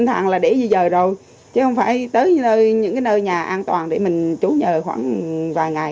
thẳng là để như giờ rồi chứ không phải tới những nơi nhà an toàn để mình trú nhờ khoảng vài ngày